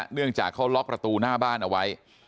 เนื่องจากเขาล็อกประตูหน้าบ้านเอาไว้